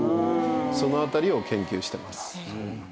その辺りを研究してます。